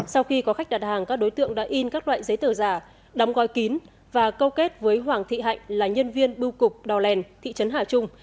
sau khi có khách đặt hàng các đối tượng đã in các loại giấy tờ giả đóng gói kín và câu kết với hoàng thị hạnh là nhân viên bưu cục đò lèn thị trấn hà trung